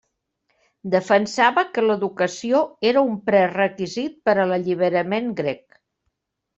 Defensava que l'educació era un prerequisit per a l'alliberament grec.